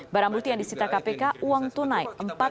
barang bukti yang disita kpk uang tunai